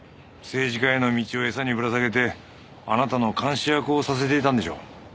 政治家への道をエサにぶら下げてあなたの監視役をさせていたんでしょう。